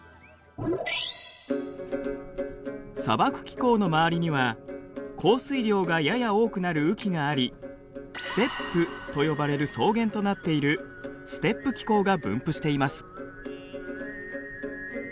砂漠気候の周りには降水量がやや多くなる雨季がありステップと呼ばれる草原となっているステップ気候が分布しています。